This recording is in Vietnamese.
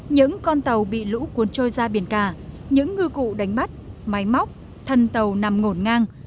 những con tàu bị lũ cuốn trôi ra biển cả những ngư cụ đánh bắt máy móc thân tàu nằm ngổn ngang